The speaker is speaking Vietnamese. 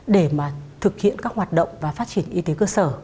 để mà thực hiện các hoạt động và phát triển y tế cơ sở